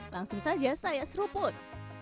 langsung saja saya seruput